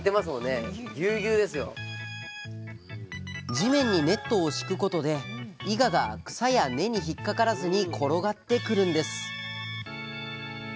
地面にネットを敷くことでイガが草や根に引っかからずに転がってくるんです